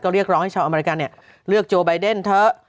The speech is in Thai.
เรียกร้องให้ชาวอเมริกันเนี่ยเลือกโจไบเดนเถอะ